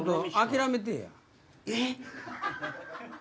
えっ！